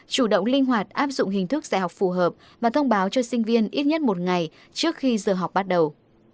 chủ động linh hoạt áp dụng hình thức dạy học phù hợp và thông báo cho sinh viên ít nhất một ngày trước khi giờ học bắt đầu